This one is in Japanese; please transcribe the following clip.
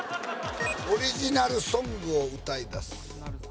「オリジナルソングを歌い出す」